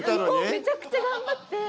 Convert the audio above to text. めちゃくちゃ頑張って。